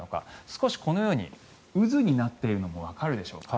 少しこのように渦になっているのがわかるでしょうか。